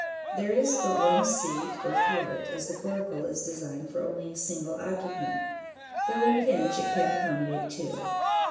There is but one seat, or thwart, as the coracle is designed for only a single occupant, though in a pinch it can accommodate two.